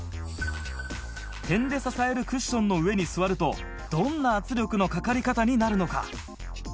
点で支えるクッションの上に座るとどんな圧力のかかり方になるのか？